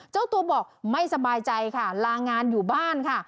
เจ้าตัวบอกไม่สบายใจค่ะลางานอยู่บ้านค่ะ